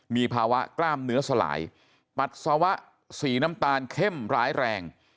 มีภาวะกล้ามเนื้อสลายปัสสาวะสีน้ำตาลเข้มร้ายแรง